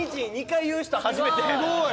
すごい！